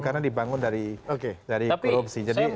karena dibangun dari korupsi